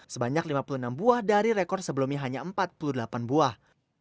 sebanyak lima puluh enam buah dari rekor sebelumnya hanya empat puluh delapan buah